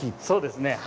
そうですね。